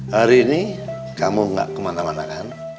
hari ini kamu gak kemana mana kan